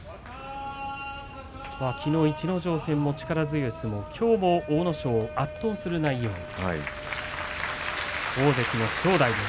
きのうの逸ノ城戦も力強い相撲きょうも阿武咲を圧倒する内容大関の正代です。